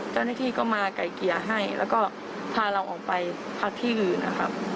เจ้าหน้าที่ก็มาไก่เกลี่ยให้แล้วก็พาเราออกไปพักที่อื่นนะครับ